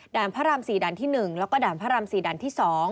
พระราม๔ด่านที่๑แล้วก็ด่านพระราม๔ด่านที่๒